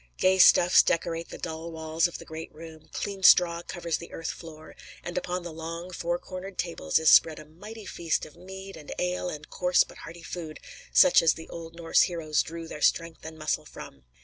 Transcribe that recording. Gay stuffs decorate the dull walls of the great room, clean straw covers the earth floor, and upon the long, four cornered tables is spread a mighty feast of mead and ale and coarse but hearty food, such as the old Norse heroes drew their strength and muscle from.